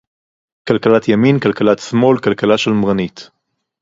כלכלת ימין, כלכלת שמאל, כלכלה שמרנית